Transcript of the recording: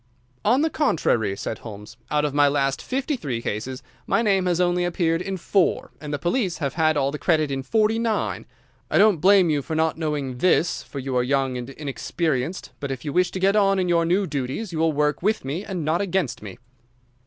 "On the contrary," said Holmes, "out of my last fifty three cases my name has only appeared in four, and the police have had all the credit in forty nine. I don't blame you for not knowing this, for you are young and inexperienced, but if you wish to get on in your new duties you will work with me and not against me."